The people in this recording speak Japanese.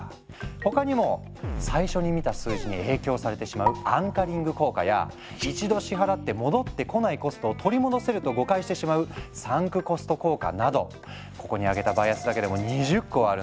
他にも最初に見た数字に影響されてしまうアンカリング効果や一度支払って戻ってこないコストを取り戻せると誤解してしまうサンクコスト効果などここに挙げたバイアスだけでも２０個はあるんだ。